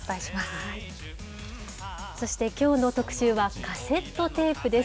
そして、きょうの特集はカセットテープです。